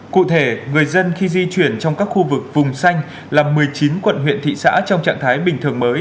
cụ thể người dân khi di chuyển trong các khu vực vùng xanh là một mươi chín quận huyện thị xã trong trạng thái bình thường mới